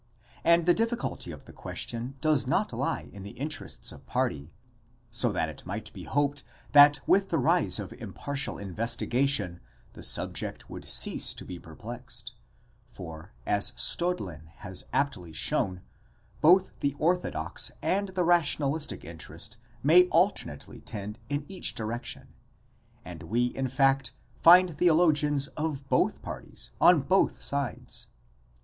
And the difficulty of the question does not lie in the interests of party, so that it might be hoped that with the rise of impartial investigation, the subject would cease to be perplexed ; for, as Staudlin has aptly shown,' both the orthodox and the rationalistic interest may alternately tend in each direction, and we in fact find theologians of both parties on both sides.